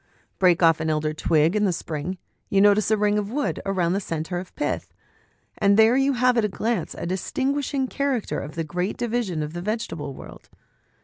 Break off an elder twig in the spring ; you notice a ring of wood round a centre of pith, and there you have at a glance a distinguishing character of a great division of the vegetable world.